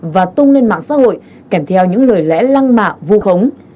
và tung lên mạng xã hội kèm theo những lời lẽ lăng mạ vu khống